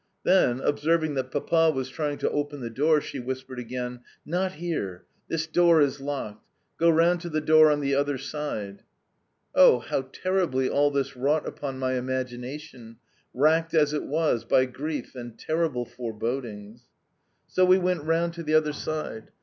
Then, observing that Papa was trying to open the door, she whispered again: "Not here. This door is locked. Go round to the door on the other side." Oh, how terribly all this wrought upon my imagination, racked as it was by grief and terrible forebodings! So we went round to the other side.